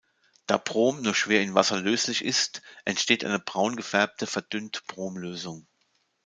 Da Brom nur schwer in Wasser löslich ist, entsteht eine braun gefärbte, verdünnte Brom-Lösung.